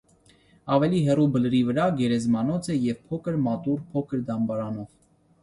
Ավելի հեռու բլրի վրա գերեզմանոց է և փոքր մատուռ փոքր դամբարանով։